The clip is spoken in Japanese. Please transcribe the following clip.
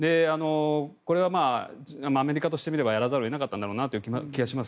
これはアメリカとしてみればやらざるを得なかったんだろうなという気がします。